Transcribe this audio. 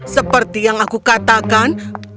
seperti yang aku katakan